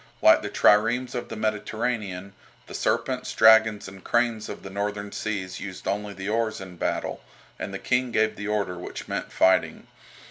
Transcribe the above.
Like the triremes of the Mediterranean, the "Serpents," "Dragons," and "Cranes" of the northern seas used only the oars in battle, and the King gave the order which meant fighting.